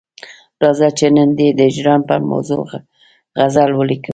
راځه چې نن دي د هجران پر موضوع غزل ولیکم.